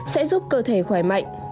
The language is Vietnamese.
sẽ giúp cơ thể khỏe mạnh